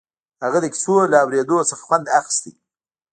هغه د کيسو له اورېدو څخه خوند اخيست.